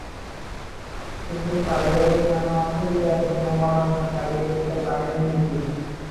কিন্তু পারিবারিক নানা অসুবিধার জন্য পড়াশোনা চালিয়ে যেতে পারেন নি তিনি।